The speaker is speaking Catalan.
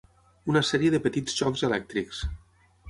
Una sèrie de petits xocs elèctrics